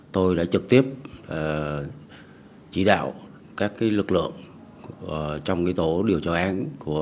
tôi đã trực tiếp chỉ đạo các lực lượng trong tổ điều tra án